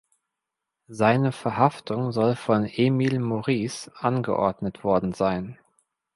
Seine Verhaftung soll von Emil Maurice angeordnet worden sein.